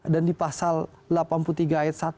dan di pasal delapan puluh tiga ayat satu